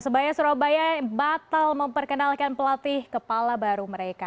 persebaya surabaya batal memperkenalkan pelatih kepala baru mereka